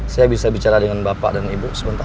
saya bisa bicara dengan bapak dan ibu sebentar